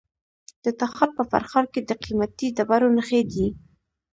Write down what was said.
د تخار په فرخار کې د قیمتي ډبرو نښې دي.